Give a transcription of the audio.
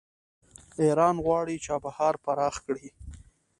ایران غواړي چابهار پراخ کړي.